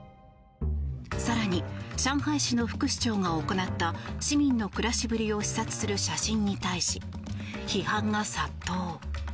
更に、上海市の副市長が行った市民の暮らしぶりを視察する写真に対し批判が殺到。